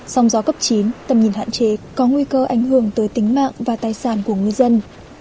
song gió cấp chín tầm nhìn hạn chế có nguy cơ ảnh hưởng tới tính mạng và tài sản của ngư dân